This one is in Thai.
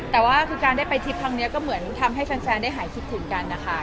แต่ว่าคือการได้ไปทริปครั้งนี้ก็เหมือนทำให้แฟนได้หายคิดถึงกันนะคะ